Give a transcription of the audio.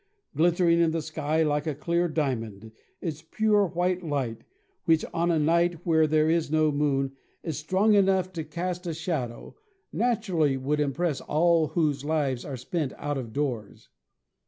Glit tering in the sky like a clear diamond, its pure white light, which, on a night when there is no Moon, is strong enough to cast a shadow, naturally would impress all whose lives are spent out of doors.